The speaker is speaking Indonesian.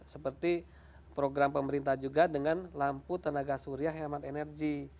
seperti program pemerintah juga dengan lampu tenaga surya hemat energi